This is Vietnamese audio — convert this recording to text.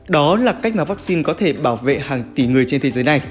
đó là cách mà vaccine có thể bảo vệ hàng tỷ người trên thế giới này